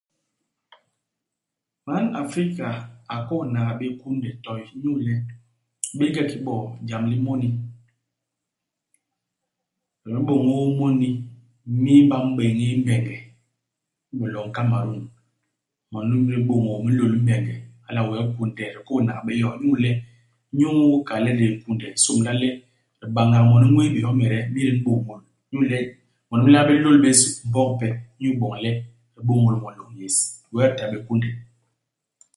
Man Afrika a nkôhnaga bé kunde toy inyu le, di bénge kiki bo jam lo moni. Di m'bôñôl moni mi ba m'béñél i Mbenge inyu loñ i Kamerun. Moni mi di m'bôñôl mi nlôl i Mbenge. Hala wee kunde di nkôsnaga bé yo inyu le, inyu ikal le di yé kunde, i nsômbla le di bañak moni ñwés bésbomede mi di m'bôñôl. Inyu le moni mi nlama bés lôl bés mbok pe inyu iboñ le di bôñôl ñwo i loñ yés. Wee di ta bé kunde